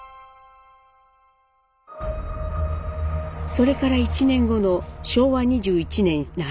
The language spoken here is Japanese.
それから１年後の昭和２１年夏。